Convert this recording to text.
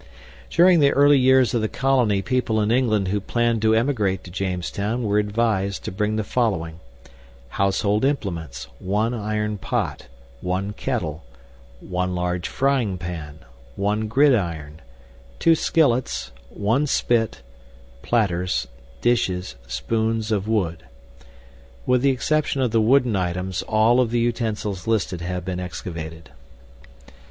During the early years of the colony, people in England who planned to emigrate to Jamestown were advised to bring the following "Household implements: One Iron Pot, One Kettle, One large frying pan, One gridiron, Two skillets, One Spit, Platters, dishes, spoones of wood." With the exception of the wooden items, all of the utensils listed have been excavated.